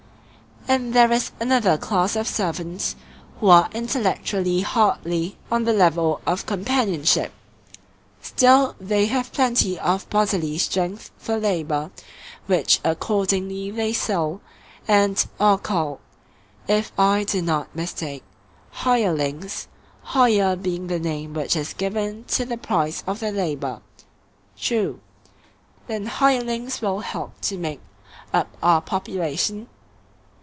And there is another class of servants, who are intellectually hardly on the level of companionship; still they have plenty of bodily strength for labour, which accordingly they sell, and are called, if I do not mistake, hirelings, hire being the name which is given to the price of their labour. True. Then hirelings will help to make up our population?